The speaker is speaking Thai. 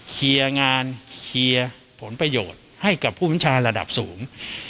เคลียร์งานเคลียร์ผลประโยชน์ให้กับผู้บัญชาระดับสูง